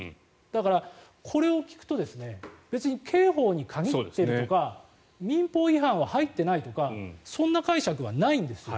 だから、これを聞くと別に刑法に限っているとか民法違反は入っていないとかそんな解釈はないんです。